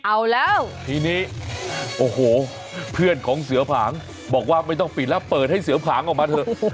เอาแล้วทีนี้โอ้โหเพื่อนของเสือผางบอกว่าไม่ต้องปิดแล้วเปิดให้เสือผางออกมาเถอะ